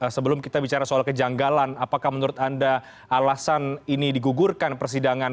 sebelum kita bicara soal kejanggalan apakah menurut anda alasan ini digugurkan persidangan